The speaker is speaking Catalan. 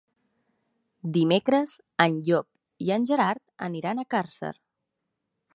Dimecres en Llop i en Gerard aniran a Càrcer.